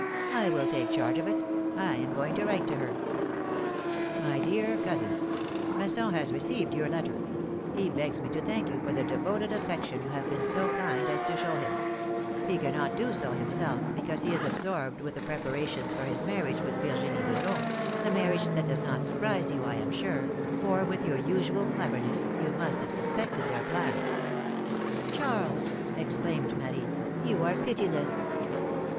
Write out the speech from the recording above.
will take charge of it ; I am going to write to her : Dear Cousin; '^Masson has received your letter; he begs me to thank you for the devoted affection you have been so kind as to show him ; he cannot do so himself, because he is absorbed with the preparations for his marriage with Virginie Beuron — a marriage that does not surprise you, I am sure; for, with your usual cleverness, you must have suspected their plans —" Charles !" exclaimed Marie, you are pitiless."